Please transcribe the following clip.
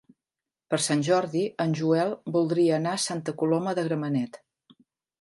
Per Sant Jordi en Joel voldria anar a Santa Coloma de Gramenet.